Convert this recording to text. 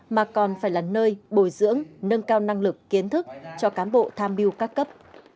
mà còn phải là nơi bồi dưỡng nâng cao năng lực kiến thức cho cán bộ tham mưu các cấp